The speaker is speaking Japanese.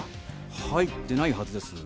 入ってないはずです。